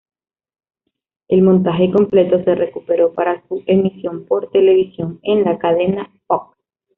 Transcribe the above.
El montaje completo se recuperó para su emisión por televisión en la cadena Fox.